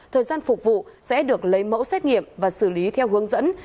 thời gian phục vụ sẽ được lấy mẫu xét nghiệm và xử lý theo hướng dẫn